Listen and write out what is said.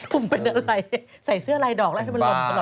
ตุ่มเป็นอะไรใส่เสื้อไรดอกละให้มันรนอ่ะ